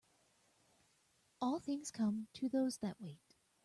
All things come to those that wait.